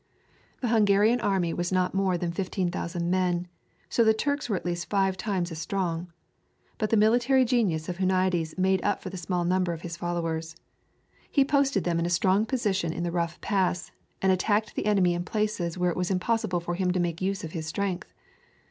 The Hungarian army was not more than 15,000 men, so that the Turks were at least five times as strong. But the military genius of Huniades made up for the small number of his followers. He posted them in a strong position in the rough pass, and attacked the enemy in places where it was impossible for him to make use of his strength.